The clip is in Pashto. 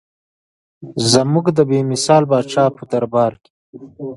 زموږ د بې مثال پاچا په دربار کې.